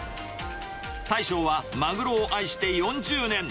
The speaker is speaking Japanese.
大将はマグロを愛して４０年。